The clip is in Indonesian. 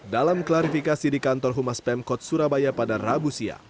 dalam klarifikasi di kantor humas pemkot surabaya pada rabu siang